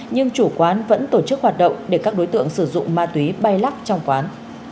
nhưng chủ quán vẫn tổ chức hoạt động để các đối tượng sử dụng ma túy bay lắc trong quán